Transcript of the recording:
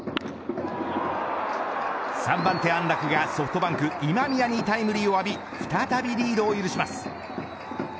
３番手、安樂がソフトバンク、今宮にタイムリーを浴び再びリードを許します。